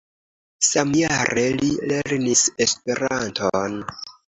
Samjare li lernis Esperanton.